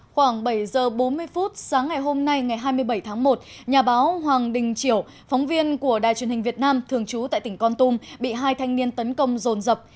khoảng bảy giờ bốn mươi phút sáng ngày hôm nay ngày hai mươi bảy tháng một nhà báo hoàng đình chiểu phóng viên của đài truyền hình việt nam thường trú tại tỉnh con tum bị hai thanh niên tấn công rồn rập